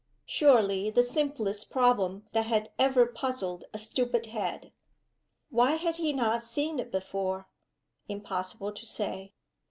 Surely the simplest problem that had ever puzzled a stupid head. Why had he not seen it before? Impossible to say.